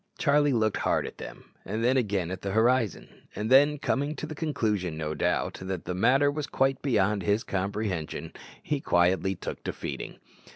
Charlie looked hard at them, and then again at the horizon; and then, coming to the conclusion, no doubt, that the matter was quite beyond his comprehension, he quietly took to feeding.